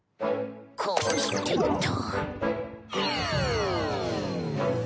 こうしてっと。